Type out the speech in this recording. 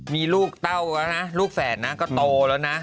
มีลูกเต้าแล้วนะลูกแฝดนะก็โตแล้วนะ